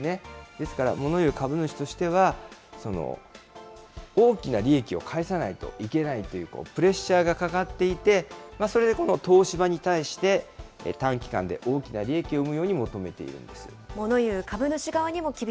ですからもの言う株主としては、大きな利益を返さないといけないというプレッシャーがかかっていて、それでこの東芝に対して短期間で大きな利益を生むように求めているんです。